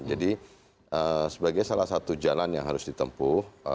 jadi sebagai salah satu jalan yang harus ditempuh